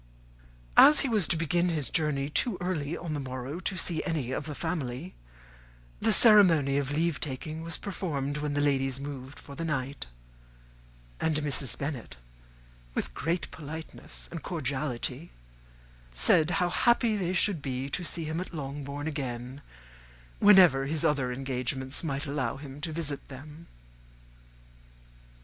As he was to begin his journey too early on the morrow to see any of the family, the ceremony of leave taking was performed when the ladies moved for the night; and Mrs. Bennet, with great politeness and cordiality, said how happy they should be to see him at Longbourn again, whenever his other engagements might allow him to visit them.